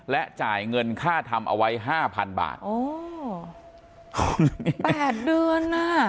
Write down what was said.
และจ่ายเงินค่าทำเอาไว้ห้าพันบาทอ๋อแปดเดือนน่ะ